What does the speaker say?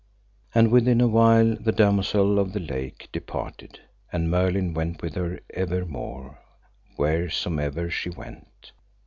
And within a while the Damosel of the Lake departed, and Merlin went with her evermore wheresomever she went.